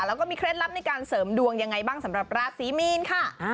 แล้วก็มีเคล็ดลับในการเสริมดวงยังไงบ้างสำหรับราศีมีนค่ะ